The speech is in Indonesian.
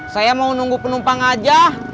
saya mau nunggu penumpang aja